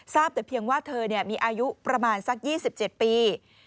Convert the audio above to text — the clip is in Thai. ทราบแต่เพียงว่าเธอเนี่ยมีอายุประมาณสัก๒๗ปี